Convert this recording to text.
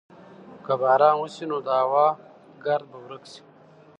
که باران وسي نو د هوا ګرد به ورک سي.